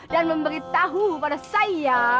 dan memberitahu pada saya